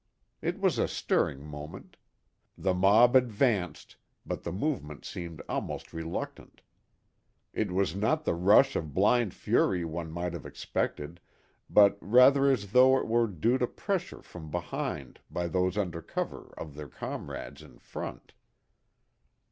It was a stirring moment. The mob advanced, but the movement seemed almost reluctant. It was not the rush of blind fury one might have expected, but rather as though it were due to pressure from behind by those under cover of their comrades in front.